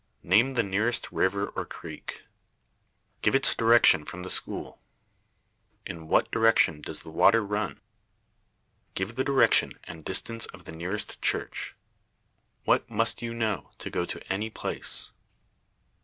Name the nearest river or creek. Give its direction from the school. In what direction does the water run? Give the direction and distance of the nearest church. What must you know to go to any place?